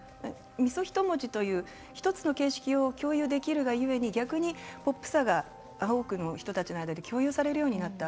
三十一文字という１つの形式を共有できるがゆえにポップさが多くの人の間で共有されるようになった。